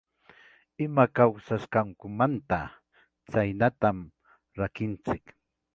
Ima kawsasqankumanta, chaynatam rakinchik.